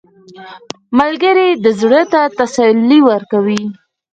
ملګری د زړه ته تسلي ورکوي